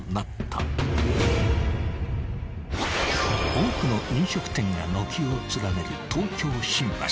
［多くの飲食店が軒を連ねる東京新橋］